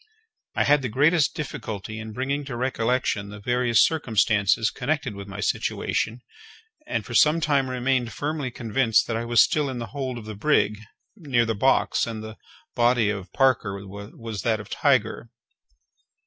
I had the greatest difficulty in bringing to recollection the various circumstances connected with my situation, and for some time remained firmly convinced that I was still in the hold of the brig, near the box, and that the body of Parker was that of Tiger.